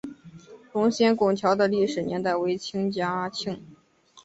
龙仙拱桥的历史年代为清嘉庆。